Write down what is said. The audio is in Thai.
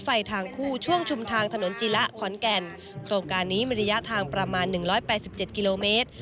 ไฟทางคู่ช่วงชุมทางถนจิละขอมากการนี้มลิยาทางประมาณ๑๘๗กิโลเมตร